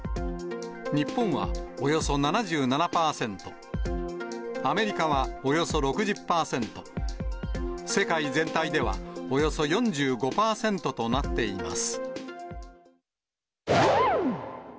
日本はおよそ７７％、アメリカはおよそ６０％、世界全体ではおよそ４５％となっています。